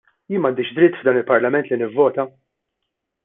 Jien m'għandix dritt f'dan il-Parlament li nivvota?!